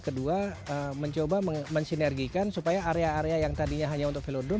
kedua mencoba mensinergikan supaya area area yang tadinya hanya untuk velodrome